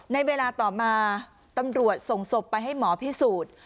ในเวลาต่อมาตำรวจส่งศพไปให้หมอพิสูจน์